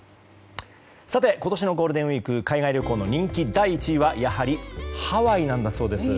今年のゴールデンウィーク海外旅行の人気第１位はやはりハワイなんだそうです。